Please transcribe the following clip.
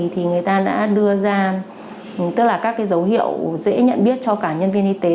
thì người ta đã đưa ra các dấu hiệu dễ nhận biết cho cả nhân viên y tế